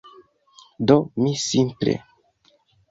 Do mi simple…